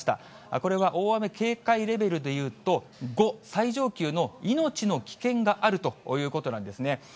これは大雨警戒レベルでいうと５、最上級の命の危険があるということなんですね。